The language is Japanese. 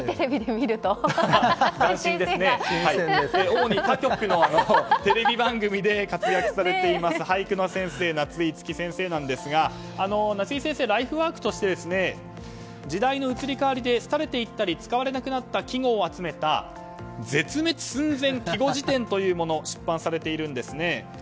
主に他局のテレビ番組で活躍されている俳句の先生夏井いつき先生ですが夏井先生、ライフワークとして時代の移り変わりで廃れていったり使われなくなった季語を集めた「絶滅寸前季語辞典」というもの出版されているんですね。